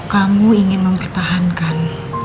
kalau kamu ingin mempertahankan